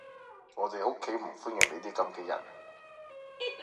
我哋屋企唔歡迎你啲噉嘅人